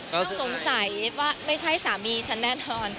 ก็สงสัยว่าไม่ใช่สามีฉันแน่นอน